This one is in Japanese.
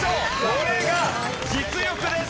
これが実力です。